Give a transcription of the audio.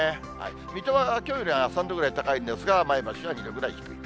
水戸はきょうよりは３度ぐらい高いんですが、前橋は２度ぐらい低い。